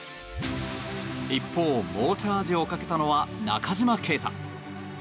一方、猛チャージをかけたのは中島啓太。